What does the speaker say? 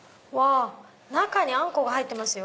中にあんこが入ってますよ。